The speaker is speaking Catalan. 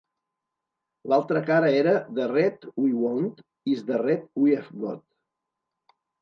L'altra cara era "The Red We Want Is the Red We've Got".